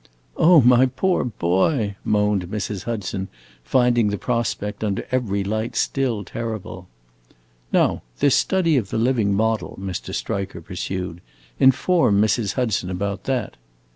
"Oh, my poor boy!" moaned Mrs. Hudson, finding the prospect, under every light, still terrible. "Now this study of the living model," Mr. Striker pursued. "Inform Mrs. Hudson about that."